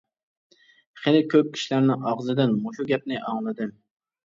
خېلى كۆپ كىشىلەرنىڭ ئاغزىدىن مۇشۇ گەپنى ئاڭلىدىم.